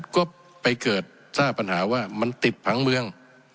ก็ไปเกิดทราบปัญหาว่ามันติดผังเมือง